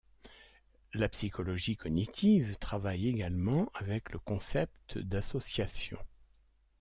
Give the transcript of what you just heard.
La psychologie cognitive travaille également avec le concept d'association.